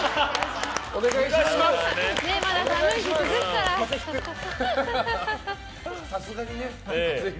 お願いします。